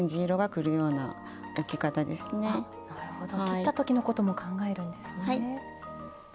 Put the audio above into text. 切った時のことも考えるんですね。